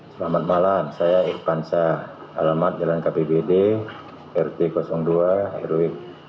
selamat malam saya irfansa alamat jalan kpbd rt dua rw